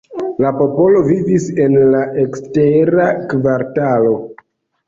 La popolo vivis en la ekstera kvartalo.